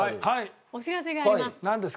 お知らせがあります。